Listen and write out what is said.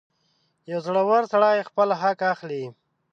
• یو زړور سړی خپل حق اخلي.